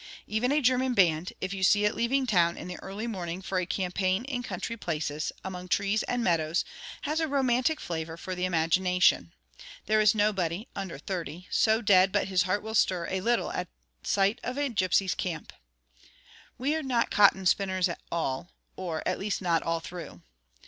Even a German band, if you see it leaving town in the early morning for a campaign in country places, among trees and meadows, has a romantic flavour for the imagination. There is nobody, under thirty, so dead but his heart will stir a little at sight of a gypsies' camp. 'We are not cotton spinners all'; or, at least, not all through.